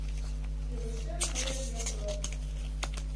— Илышем мыйын йокрок.